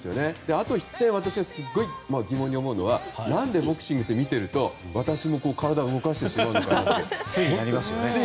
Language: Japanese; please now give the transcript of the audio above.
あと１点私がすごく疑問に思うのは何で、ボクシングって見てると私も体を動かしてしまうのかなと思いますね。